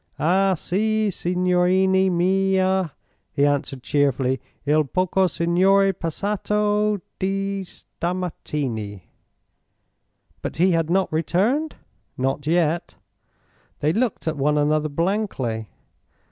"Ah, si, signorini mia," he answered, cheerfully, "il poco signore passato da stamattini." But he had not returned? Not yet. They looked at one another blankly.